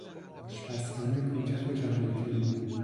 آشپزخانه کوچک و جمع و جور بود.